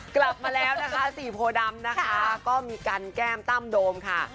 กลับมาแล้วนะคะสี่โพดำนะคะก็มีกันแก้มตั้มโดมค่ะ